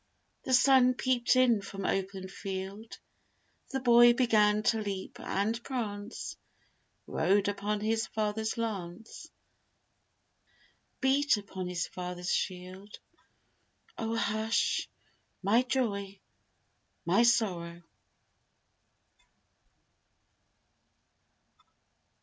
The Sun peeped in from open field, The boy began to leap and prance, Rode upon his father's lance, Beat upon his father's shield 'Oh hush, my joy, my sorrow.'